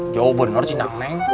jauh bener cinangneng